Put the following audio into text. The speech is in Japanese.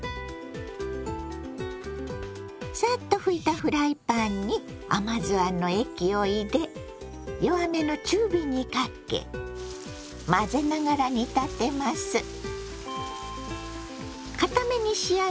サッと拭いたフライパンに甘酢あんの液を入れ弱めの中火にかけ混ぜながら煮立てます。